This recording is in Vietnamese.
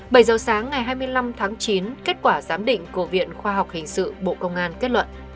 bảy giờ sáng ngày hai mươi năm tháng chín kết quả giám định của viện khoa học hình sự bộ công an kết luận